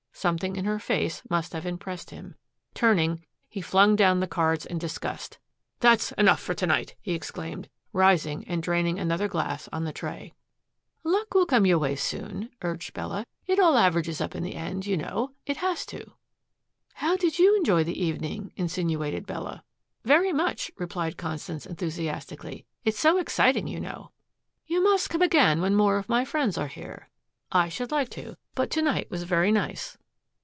Something in her face must have impressed him. Turning, he flung down the cards in disgust. "That's enough for to night," he exclaimed, rising and draining another glass on the tray. "Luck will come your way soon again," urged Bella. "It all averages up in the end, you know. It has to." "How did you enjoy the evening!" insinuated Bella. "Very much," replied Constance enthusiastically. "It is so exciting, you know." "You must come again when more of my friends are here." "I should like to. But to night was very nice."